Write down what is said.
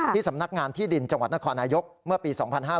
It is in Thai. สำนักงานที่ดินจังหวัดนครนายกเมื่อปี๒๕๕๙